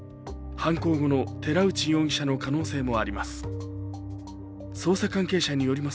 犯行後の寺内容疑者の可能性もあります。